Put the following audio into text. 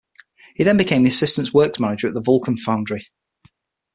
He then became assistant works manager at the Vulcan Foundry.